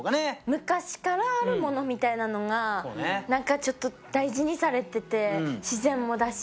昔からあるものみたいなのが何かちょっと大事にされてて自然もだし